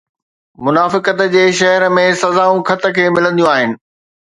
منافقت جي شهر ۾ سزائون خط کي ملنديون آهن